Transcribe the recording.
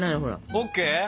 ＯＫ？